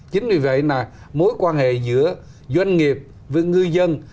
chính vì vậy là mối quan hệ giữa doanh nghiệp với ngư dân